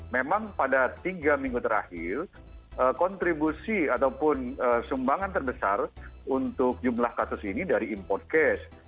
memang pada tiga minggu terakhir kontribusi ataupun sumbangan terbesar untuk jumlah kasus ini dari import case